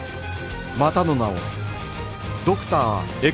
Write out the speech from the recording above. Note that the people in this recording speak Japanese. またの名をドクター Ｘ